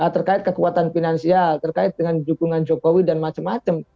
terkait kekuatan finansial terkait dengan dukungan jokowi dan macam macam